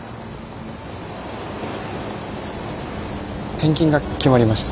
転勤が決まりました。